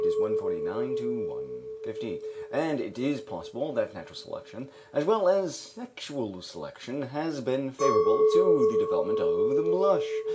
149 150), and it is possible that natural selection, as well as sexual selection, has been favorable to the development of the blush.